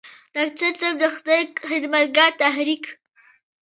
ډاکټر صېب د خدائ خدمتګار تحريک